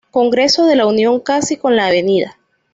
Congreso de la Unión casi con la Av.